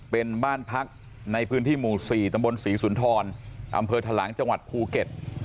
เป็นบ้านพักในพื้นที่หมู่๔ตำบลศรีสุนทรอำเภอทะลังจังหวัดภูเก็ต